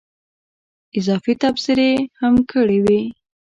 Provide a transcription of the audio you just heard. اضافي تبصرې هم کړې وې.